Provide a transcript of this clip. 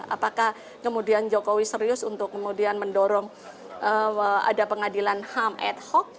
apakah kemudian jokowi serius untuk kemudian mendorong ada pengadilan ham ad hoc